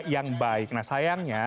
yang baik nah sayangnya